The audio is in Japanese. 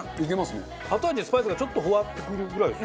後味スパイスがちょっとフワッとくるぐらいですよね。